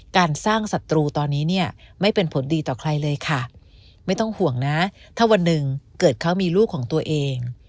การสร้างศัตรูตอนนี้เนี่ยไม่เป็นผลดีต่อใครเลยค่ะไม่ต้องห่วงนะถ้าวันหนึ่งเกิดเขามีลูกของตัวเอง